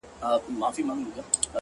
زه د یویشتم قرن غضب ته فکر نه کوم _